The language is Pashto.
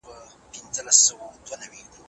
ټیمونه د ملي یووالي سمبول ګرځي.